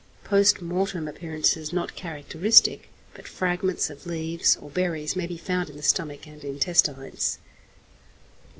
Post mortem appearances not characteristic, but fragments of leaves or berries may be found in the stomach and intestines.